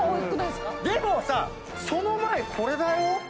でもさその前これだよ？